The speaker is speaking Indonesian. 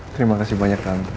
terima kasih banyak kamu